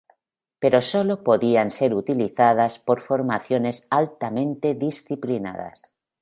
Pero solo podían ser utilizadas por formaciones altamente disciplinadas.